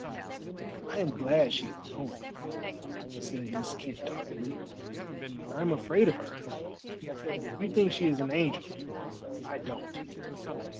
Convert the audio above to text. "I am glad she is going," said Miss Kent doggedly; "I am afraid of her. You think she is an angel; I don't."